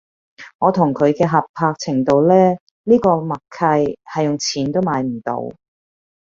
我同佢嘅合拍程度呢呢個默契係用錢都買唔到